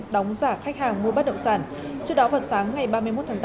đóng giả khách hàng mua bất động sản trước đó vào sáng ngày ba mươi một tháng tám